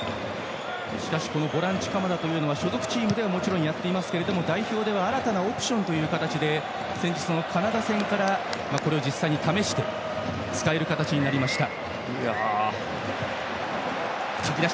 しかしボランチ鎌田は所属チームではやっていますが代表では新たなオプションの形で先日のカナダ戦からこれを実際に試して使える形になりました。